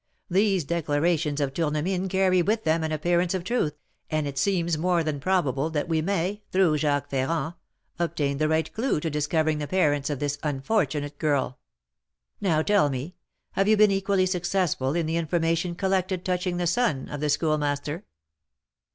These declarations of Tournemine carry with them an appearance of truth, and it seems more than probable that we may, through Jacques Ferrand, obtain the right clue to discovering the parents of this unfortunate girl. Now tell me, have you been equally successful in the information collected touching the son of the Schoolmaster?"